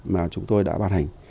mà chúng tôi đã bàn hành